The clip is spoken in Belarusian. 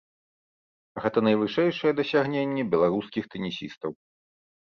Гэта найвышэйшае дасягненне беларускіх тэнісістаў.